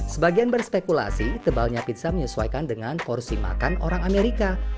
sebagian berspekulasi tebalnya pizza menyesuaikan dengan porsi makan orang amerika